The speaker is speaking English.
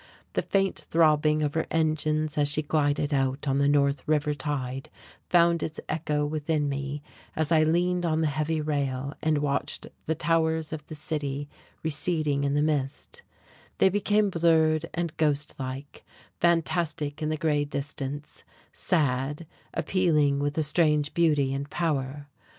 The faint throbbing of her engines as she glided out on the North River tide found its echo within me as I leaned on the heavy rail and watched the towers of the city receding in the mist; they became blurred and ghostlike, fantastic in the grey distance, sad, appealing with a strange beauty and power.